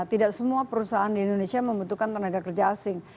tidak semua perusahaan di indonesia membutuhkan tenaga kerja asing